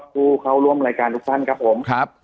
ผู้เข้าร่วมรายการทุกท่านครับผม